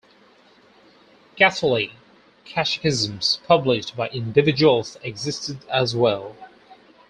Catholic Catechisms, published by individuals existed as well.